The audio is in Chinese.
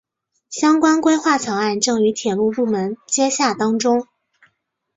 相关规划草案正与铁路部门接洽当中。